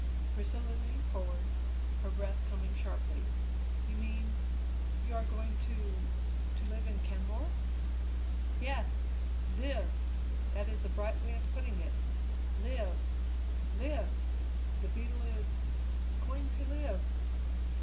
Priscilla leaned forward, her breath coming sharply. "You mean you are going to to live in Kenmore?" "Yes! Live! That is a bright way of putting it. Live! live! The Beetle is going to live!"